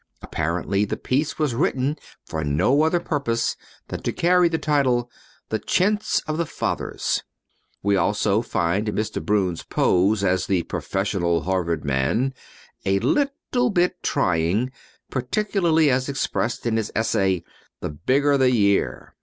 Apparently the piece was written for no other purpose than to carry the title "The Chintz of the Fathers." We also find Mr. Broun's pose as the professional Harvard man a little bit trying, particularly as expressed in his essay "The Bigger the Year."